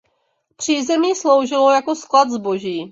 Přízemí sloužilo jako sklad zboží.